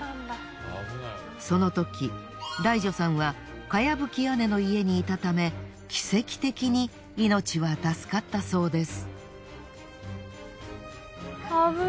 そのときダイ女さんは茅葺き屋根の家にいたため奇跡的に命は助かったそうです。